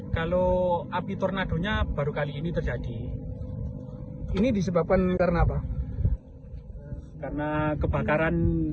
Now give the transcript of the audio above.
kalau api tornadonya baru kali ini terjadi ini disebabkan karena apa karena kebakaran